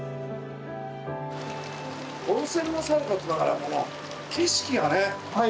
温泉もさることながらこの景色がね。